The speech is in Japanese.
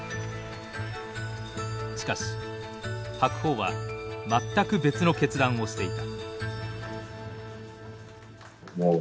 しかし白鵬は全く別の決断をしていた。